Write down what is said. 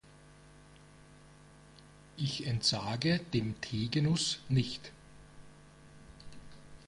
Ich entsage dem Teegenuss nicht.